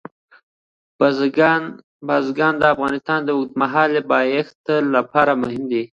بزګان د افغانستان د اوږدمهاله پایښت لپاره مهم دي.